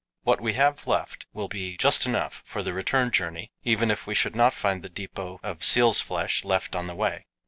What we have left will be just enough for the return journey, even if we should not find the depot of seals' flesh left on the way.